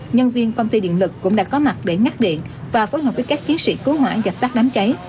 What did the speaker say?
nhân viên công ty điện lực cũng đã có mặt để ngắt điện và phối hợp với các chiến sĩ cứu hỏa dập tắt đám cháy